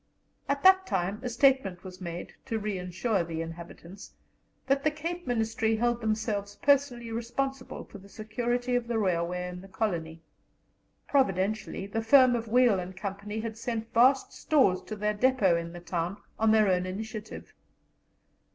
At that time a statement was made, to reassure the inhabitants, that the Cape Ministry held themselves personally responsible for the security of the railway in the colony. Providentially, the firm of Weil and Company had sent vast stores to their depôt in the town on their own initiative.